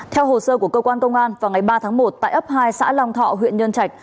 theo hồ sơ của cơ quan công an vào ngày ba tháng một tại ấp hai xã long thọ huyện nhân trạch